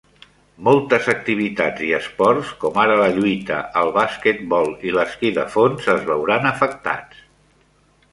Moltes activitats i esports, com ara la lluita, el basquetbol i l'esquí de fons, es veuran afectats.